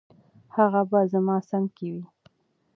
هغه به زما څنګ کې وي.